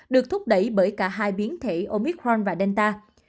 được thúc đẩy bởi cả hai biến thể omicron và delta